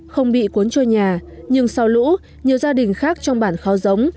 không bị cuốn trôi nhà nhưng sau lũ nhiều gia đình khác trong bản khó giống